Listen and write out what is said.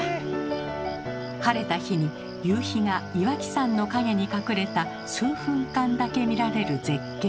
晴れた日に夕日が岩木山の陰に隠れた数分間だけ見られる絶景。